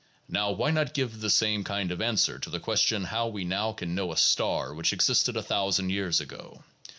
" 2 Now why not give the same kind of answer to the question how we now can know a star which existed a thousand years ago?